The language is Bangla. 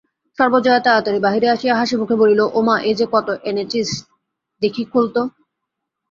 সর্বজয়া তাড়াতাড়ি বাহিরে আসিয়া হাসিমুখে বলিল, ওমা, এ যে কত এনেচিস-দেখি খোল তো?